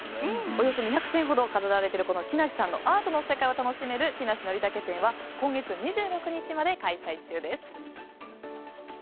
およそ２００点ほど飾られている木梨さんのアートの世界を楽しめる「木梨憲武展」は今月２６日まで開催中です。